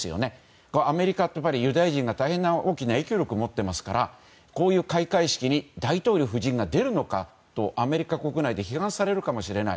アメリカってユダヤ人が大変大きな影響力を持っていますからこういう開会式に大統領夫人が出るのかとアメリカ国内で批判されるかもしれない。